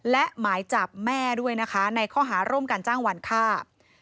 และหมายจับแม่ด้วยนะคะในข้อหาร่วมกันจ้างวันฆ่า